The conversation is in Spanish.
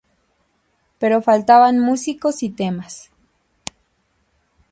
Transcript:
Pero faltaban músicos y temas.